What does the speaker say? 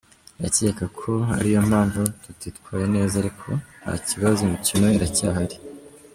Ndakeka ko ari yo mpamvu tutitwaye neza ariko nta kibazo imikino iracyahari.